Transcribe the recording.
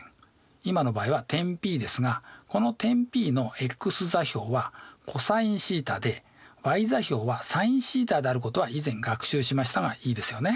今の場合は点Ｐですがこの点Ｐのｘ座標はｃｏｓθでｙ座標はｓｉｎθであることは以前学習しましたがいいですよね。